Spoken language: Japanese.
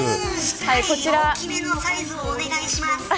大きめのサイズをお願いします。